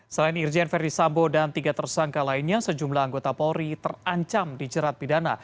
selain irjen verdi sambo dan tiga tersangka lainnya sejumlah anggota polri terancam dijerat pidana